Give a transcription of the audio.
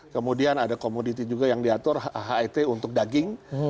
kemudian ada komoditi juga yang diatur het untuk daging